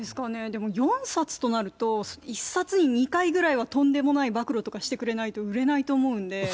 でも４冊となると、１冊に２回ぐらいはとんでもない暴露とかしてくれないと売れないと思うんで。